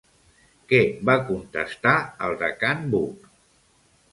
Què va contestar el de can Buc?